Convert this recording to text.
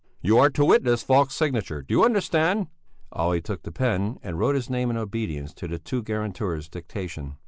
"You are to witness Falk's signature. Do you understand?" Olle took the pen and wrote his name in obedience to the two guarantors' dictation.